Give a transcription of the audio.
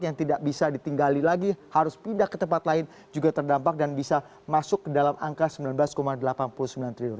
yang tidak bisa ditinggali lagi harus pindah ke tempat lain juga terdampak dan bisa masuk ke dalam angka rp sembilan belas delapan puluh sembilan triliun